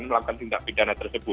melakukan tindak pidana tersebut